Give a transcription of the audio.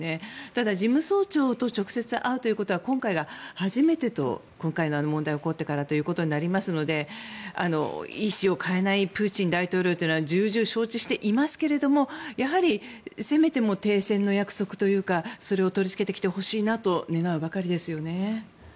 ただ事務総長と直接会うということは今回が初めてと今回の問題が起こってからということになりますので意思を変えないプーチン大統領というのは重々承知していますけれどもやはりせめて停戦の約束というかそれを取りつけてほしいなと願うばかりですよね。